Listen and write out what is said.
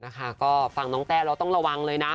นะคะก็ฟังน้องแต้เราต้องระวังเลยนะ